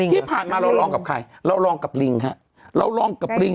ที่ผ่านมาเรารองกับใครเรารองกับลิงนะครับ